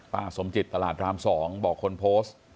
ป้าสมจิตตลาดร้ำ๒บอกคนโพส